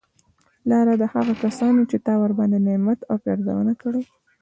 لاره د هغه کسانو چې تا ورباندي نعمت او پیرزونه کړي